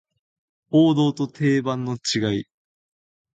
王道と定番の違い